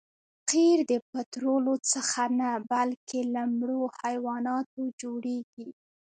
قیر د پطرولو څخه نه بلکې له مړو حیواناتو جوړیږي